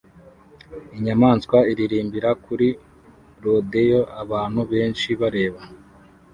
Inyamaswa iririmbira kuri rodeo abantu benshi bareba